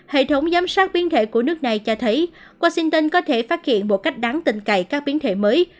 hệ thống giám sát biến thể của nước này cho thấy washington có thể phát hiện một cách đáng tình cậy các biến thể mới